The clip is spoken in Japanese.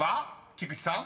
菊地さん］